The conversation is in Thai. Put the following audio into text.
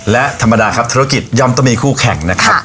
และธรรมดาครับธุรกิจย่อมต้องมีคู่แข่งนะครับ